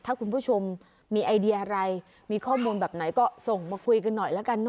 ถ้าคุณผู้ชมมีไอเดียอะไรมีข้อมูลแบบไหนก็ส่งมาคุยกันหน่อยแล้วกันเน